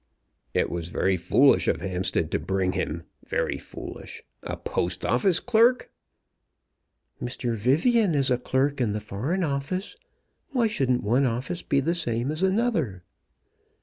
"It was very foolish of Hampstead to bring him, very foolish, a Post Office clerk." "Mr. Vivian is a clerk in the Foreign Office. Why shouldn't one office be the same as another?"